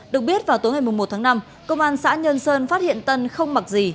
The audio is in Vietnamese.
được biết vào tối ngày một tháng năm công an xã nhân sơn phát hiện tân không mặc gì